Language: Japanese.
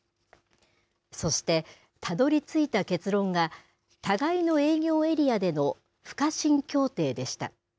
そして、たどり着いた結論が互いの営業エリアでの不可侵協定でした。